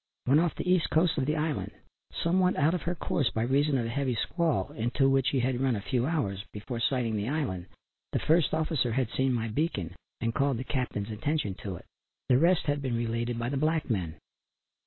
When off the east side of the island somewhat out of her course by reason of a heavy squall into which she had run a few hours before sighting the island, the first officer had seen my beacon and called the Captain's attention to it. The rest had been related by the black men.